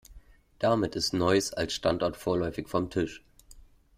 Damit ist Neuss als Standort vorläufig vom Tisch.